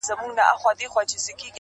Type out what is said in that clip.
• ځوانان بحث کوي په کوڅو تل,